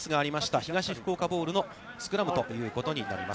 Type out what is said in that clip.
東福岡ボールのスクラムということになります。